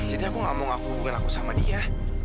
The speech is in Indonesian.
jadi aku gak mau ngakuburin aku sama dia